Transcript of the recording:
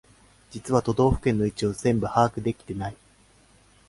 実は都道府県の位置を全部把握できてない